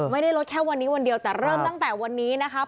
ไม่ได้ลดแค่วันนี้วันเดียวแต่เริ่มตั้งแต่วันนี้นะครับ